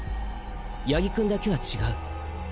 八木くんだけは違う。